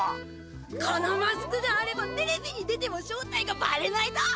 このマスクがあればテレビに出ても正体がバレないだ。